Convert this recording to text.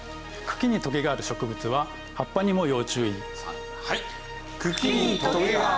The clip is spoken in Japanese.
茎にトゲがある植物は葉っぱにも要注意！